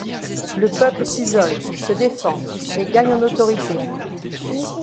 Le peuple s’isole, se défend, et gagne en autorité.